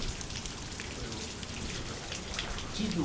これをお持ちください。